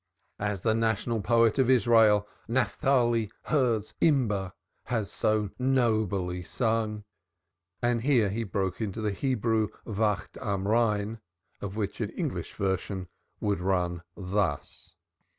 As the National Poet of Israel, Naphtali Herz Imber, has so nobly sung (here he broke into the Hebrew Wacht Am Rhein, of which an English version would run thus): "THE WATCH ON THE JORDAN.